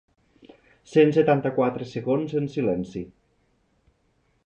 Cent setanta-quatre segons en silenci.